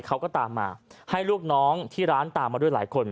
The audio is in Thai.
เขาก็ตามมาให้ลูกน้องที่ร้านตามมาด้วยหลายคน